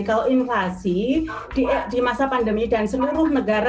kalau inflasi di masa pandemi dan seluruh negara